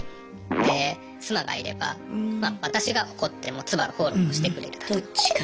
で妻がいれば私が怒っても妻がフォローをしてくれるだとか。